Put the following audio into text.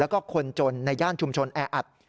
แล้วก็คนจนในย่านชุมชนแออัด